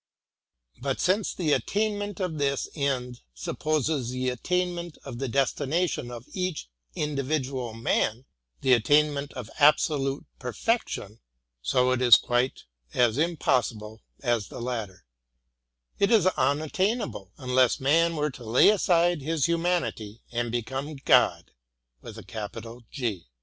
But since the attain ment of this end supposes the attainment of the destination of each individual man — the attainment of absolute per fection; — so it is quite as impossible as the latter, — it is unattainable, unless man were to lay aside his humanity THE VOCATION OF MAN IN SOCIETY. 35 and become God.